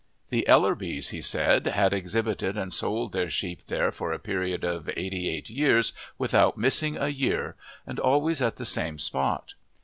The Ellerbys, he said, had exhibited and sold their sheep there for a period of eighty eight years, without missing a year, and always at the same spot.